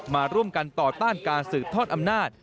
มาร่วมกันต่อต้านการสืบทอดอำนาจ